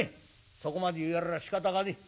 「そこまで言われりゃしかたがねえ。